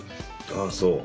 ああそう。